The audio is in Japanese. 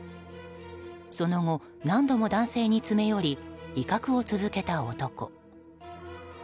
その後、何度も男性に詰め寄り威嚇を続けた男。